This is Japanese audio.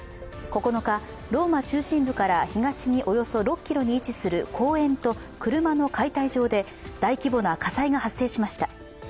９日、ローマ中心部から東におよそ６ｋｍに位置する公園と車の解体場で大規模な火災が発生しました。